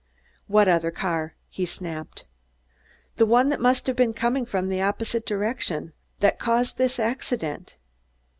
"What other car?" he snapped. "The one that must have been coming from the opposite direction; that caused this accident."